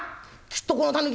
きっとこの狸だ！